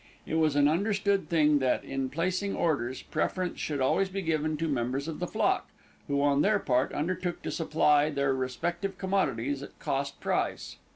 It was an understood thing that, in placing orders, preference should always be given to members of the flock, who, on their part, undertook to supply their respective commodities at cost price.